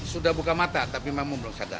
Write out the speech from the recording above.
sudah buka mata tapi memang belum sadar